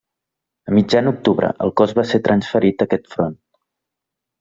A mitjan octubre, el Cos va ser transferit a aquest front.